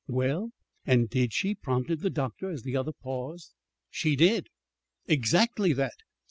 "Well, and did she?" prompted the doctor, as the other paused. "She did exactly that.